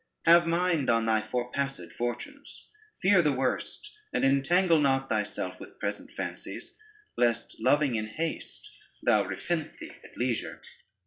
Have mind on thy forepassed fortunes; fear the worst, and entangle not thyself with present fancies, lest loving in haste, thou repent thee at leisure.